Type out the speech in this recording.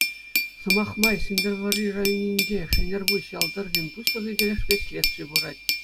Сӑмах май, Сӗнтӗрвӑрри районӗнчи Шӗнерпуҫ ял тӑрӑхӗн пуҫлӑхӗ тӗлӗшпе следстви пырать.